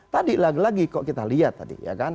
tadi lagi lagi kok kita lihat tadi ya kan